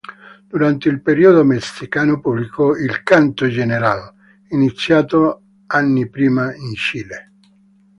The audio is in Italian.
Durante il periodo messicano pubblicò il "Canto General", iniziato anni prima in Cile.